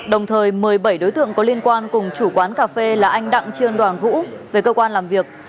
đồng thời mời bảy đối tượng có liên quan cùng chủ quán cà phê là anh đặng trương đoàn vũ về cơ quan làm việc